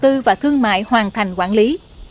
tư và thương mại hoàn thành quản lý